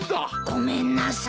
ごめんなさい。